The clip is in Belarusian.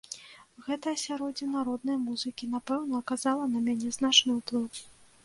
Гэта асяроддзе народнай музыкі, напэўна, аказала на мяне значны ўплыў.